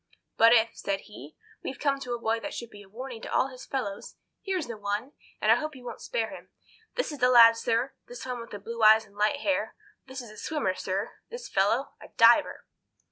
"But if," said he, "we come to a boy that should be a warning to all his fellows, here's the one, and I hope you won't spare him. This is the lad, sir—this one with the blue eyes and light hair. This is a swimmer, sir—this fellow—a diver.